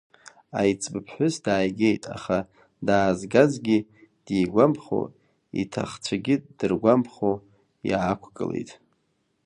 Аиҵбы ԥҳәыс дааигет, аха даазгазгьы дигәамԥхо, иҭахцәагьы дыргәамԥхо иаақәгылеит.